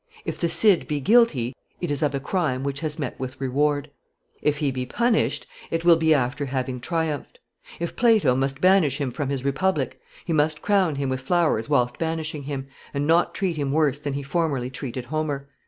If the Cid be guilty, it is of a crime which has met with reward; if he be punished, it will be after having triumphed; if Plato must banish him from his republic, he must crown him with flowers whilst banishing him, and not treat him worse than he formerly treated Homer."